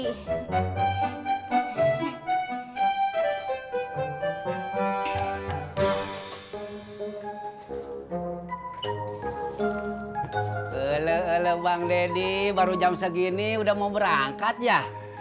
halo bang deddy baru jam segini udah mau berangkat ya